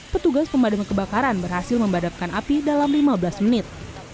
petugas pemadam kebakaran berhasil membadapkan api dalam lima belas menit